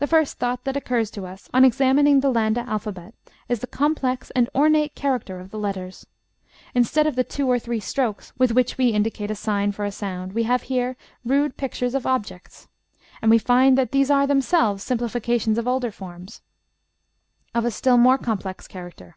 The first thought that occurs to us on examining the Landa alphabet is the complex and ornate character of the letters. Instead of the two or three strokes with which we indicate a sign for a sound, we have here rude pictures of objects. And we find that these are themselves simplifications of older forms of a still more complex character.